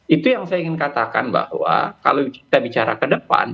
itu yang saya ingin katakan bahwa kalau kita bicara ke depan